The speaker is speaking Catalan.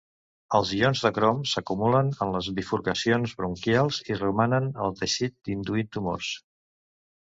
Els ions de crom s'acumulen en les bifurcacions bronquials i romanen al teixit induint tumors.